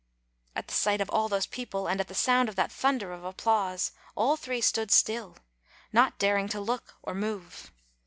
At the sight of all those people, and at the sound of that thunder of applause, all three stood still, not daring to look or move.